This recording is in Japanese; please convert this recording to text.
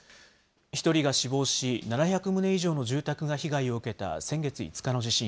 １人が死亡し、７００棟以上の住宅が被害を受けた先月５日の地震。